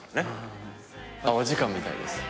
お時間みたいです。